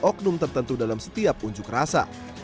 oknum tertentu dalam setiap unjuk rasa